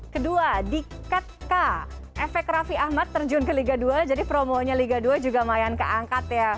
kedua diket k efek raffi ahmad terjun ke liga dua jadi promonya liga dua juga mayan keangkat ya